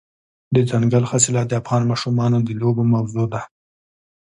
دځنګل حاصلات د افغان ماشومانو د لوبو موضوع ده.